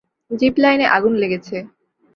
Zip লাইনে আগুন লেগেছে।